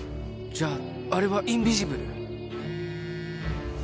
じゃああれはインビジブル！？